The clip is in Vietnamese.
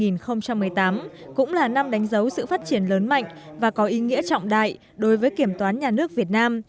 năm hai nghìn một mươi tám cũng là năm đánh dấu sự phát triển lớn mạnh và có ý nghĩa trọng đại đối với kiểm toán nhà nước việt nam